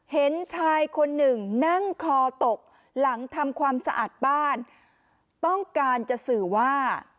เห็นชายคนหนึ่งนั่งคอตกหลังทำความสะอาดบ้านต้องการจะสื่อว่า